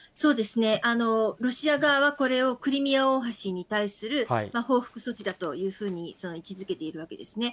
ロシア側はこれを、クリミア大橋に対する報復措置だというふうに位置づけているわけですね。